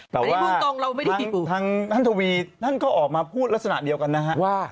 แต่ว่าท่านทวีดท่านก็ออกมาพูดลักษณะเดียวกันนะครับ